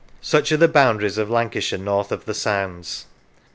Such are the boundaries of Lancashire north of the sands.